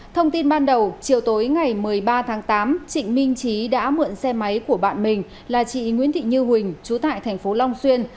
thông tin ban đầu chiều tối ngày một mươi ba tháng tám trịnh minh trí đã mượn xe máy của bạn mình là chị nguyễn thị như huỳnh chú tại thành phố long xuyên